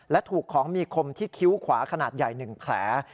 และถูกของมีคมที่คิ้วขวาขนาดใหญ่๑แผล